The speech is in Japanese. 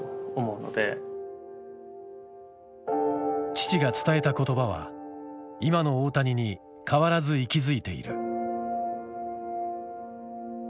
父が伝えた言葉は今の大谷に変わらず息づいている。